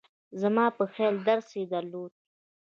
زما په خیال درس یې درلود.